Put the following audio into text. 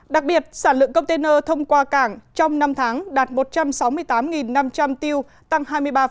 đặc biệt sản lượng container thông qua cảng trong năm tháng đạt một trăm sáu mươi tám năm trăm linh tiêu tăng hai mươi ba